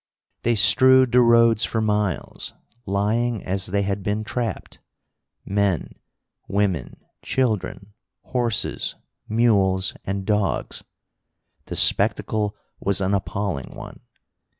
They strewed the roads for miles, lying as they had been trapped men, women, children, horses, mules, and dogs. The spectacle was an appalling one.